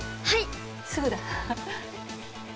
すぐだ。